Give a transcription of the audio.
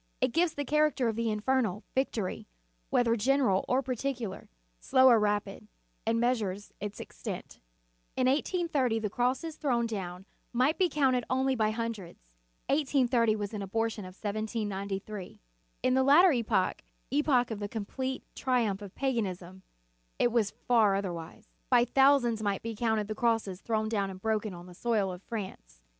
It gives the character of the infernal victory, whe ther general or particular, slow or rapid, and measures its extent. In 1830 the crosses thrown down might In the Nineteenth Century. 3 1 1 be counted only by hundreds ; 1830 was an abortion of 1793. In the latter epoch, epoch of the complete triumph of paganism, it was far otherwise. By thousands might be counted the crosses thrown down and broken on the soil of France.